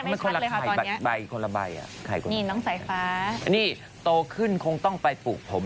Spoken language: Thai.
อ่าหย่อยมากไงครับ